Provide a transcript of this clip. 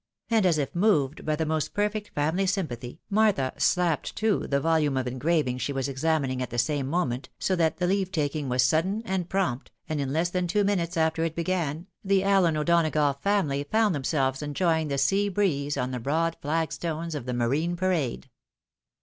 " and, as if moved by the most perfect family sympathy, Martha slapped to the volume of engravings she was examining at the same moment, so that the leave taking was sudden and prompt, and in less than two minutes after it began, the Allen O'Donagough family found themselves enjoying the sea breeze on the broad flag stones of the Marine Parade.